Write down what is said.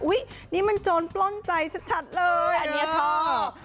นี่มันโจรปล้นใจชัดเลยอันนี้ชอบ